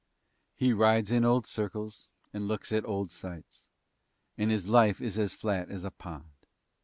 He rides in old circles and looks at old sights And his life is as flat as a pond.